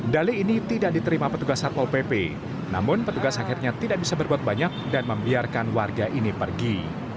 dali ini tidak diterima petugas satpol pp namun petugas akhirnya tidak bisa berbuat banyak dan membiarkan warga ini pergi